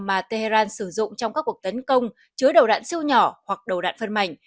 mà tehran sử dụng trong các cuộc tấn công chứa đầu đạn siêu nhỏ hoặc đầu đạn phân mảnh